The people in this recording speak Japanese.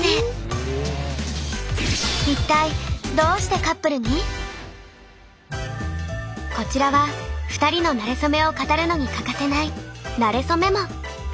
一体こちらは２人のなれそめを語るのに欠かせない「なれそメモ」。